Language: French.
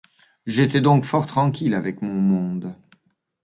J'étais donc fort tranquille avec mon monde.